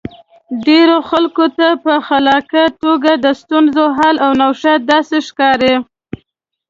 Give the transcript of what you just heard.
ډېرو خلکو ته په خلاقه توګه د ستونزې حل او نوښت داسې ښکاري.